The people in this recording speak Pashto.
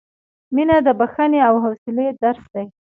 • مینه د بښنې او حوصلې درس دی.